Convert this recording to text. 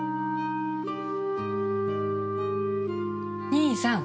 義兄さん。